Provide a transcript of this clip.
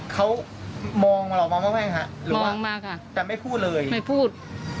เขามองเรามากมายไหมครับมองมาค่ะแต่ไม่พูดเลยไม่พูด